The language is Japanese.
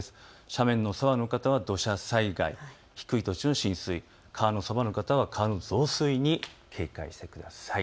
斜面のそばの方は土砂災害、低い土地の浸水、川のそばの方は川の増水に警戒してください。